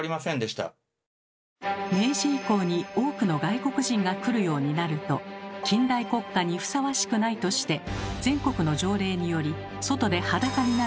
明治以降に多くの外国人が来るようになると近代国家にふさわしくないとして全国の条例により外で裸になることが禁止に。